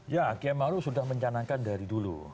ya km ma'ruf sudah mencanangkan dari dulu